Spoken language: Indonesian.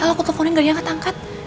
aku telfonnya nggak diangkat angkat